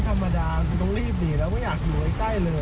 เป็นคนไม่ธรรมดาต้องรีบหนีแล้วไม่อยากอยู่ไว้ใกล้เลย